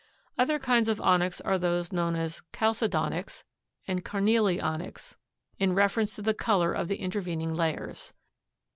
Other kinds of onyx are those known as chalcedonyx and carnelionyx in reference to the color of the intervening layers.